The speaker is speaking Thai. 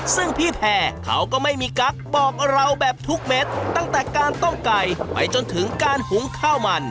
ซึ่งพี่แพร่เขาก็ไม่มีกั๊กบอกเราแบบทุกเม็ดตั้งแต่การต้มไก่ไปจนถึงการหุงข้าวมัน